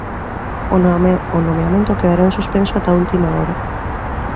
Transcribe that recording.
O nomeamento quedará en suspenso ata última hora.